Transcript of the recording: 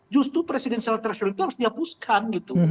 justru presidensial threshold itu harus dihapuskan gitu